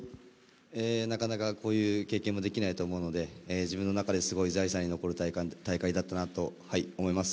なかなかこういう経験もできないと思うので自分の中ですごい財産に残る大会だったなと思います。